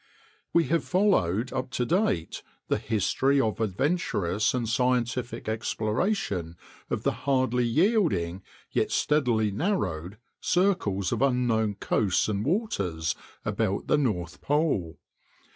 THE SOUTH POLE We have followed up to date the history of adventurous and scientific exploration of the hardly yielding, yet steadily narrowed, circles of unknown coasts and waters about the North Pole.